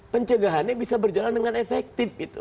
pencegahannya bisa berjalan dengan efektif gitu